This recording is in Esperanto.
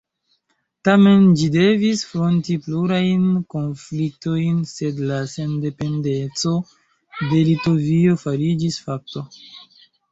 Tamen ĝi devis fronti plurajn konfliktojn, sed la sendependeco de Litovio fariĝis fakto.